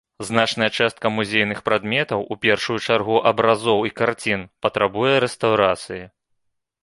Значная частка музейных прадметаў, у першую чаргу абразоў і карцін, патрабуе рэстаўрацыі.